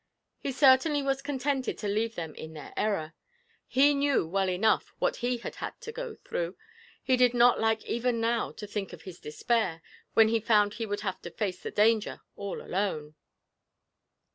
He certainly was contented to leave them in their error; he knew well enough what he had had to go through he did not like even now to think of his despair when he found he would have to face the danger all alone.'